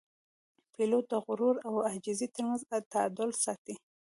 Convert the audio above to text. پیلوټ د غرور او عاجزۍ ترمنځ تعادل ساتي.